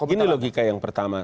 ini logika yang pertama